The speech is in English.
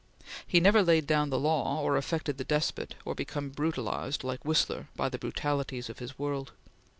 He never laid down the law, or affected the despot, or became brutalized like Whistler by the brutalities of his world.